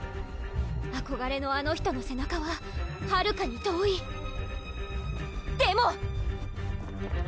あこがれのあの人の背中ははるかに遠いでも！